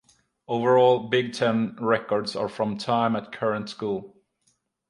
Overall and Big Ten records are from time at current school.